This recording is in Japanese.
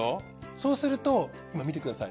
そうすると見てください。